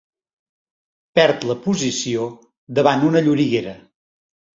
Perd la posició davant una lloriguera.